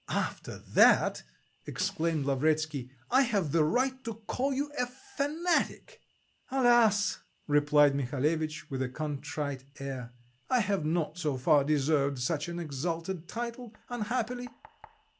"After that," exclaimed Lavretsky, "I have the right to call you a fanatic." "Alas!" replied Mihalevitch with a contrite air, "I have not so far deserved such an exalted title, unhappily."